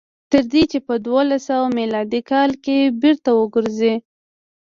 تر دې چې په دولس سوه میلادي کال کې بېرته وګرځي.